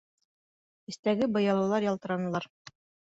Эстәге быялалар ялтыранылар.